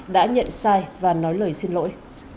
đã nhận sai và nói lời xin lỗi